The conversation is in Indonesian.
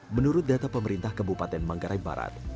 menurut data pemerintah kabupaten manggarai barat